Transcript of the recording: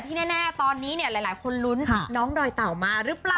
ที่แน่ตอนนี้เนี่ยหลายคนลุ้นน้องดอยเต่ามาหรือเปล่า